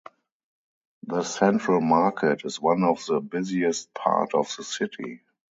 The Central Market is one of the busiest part of the city.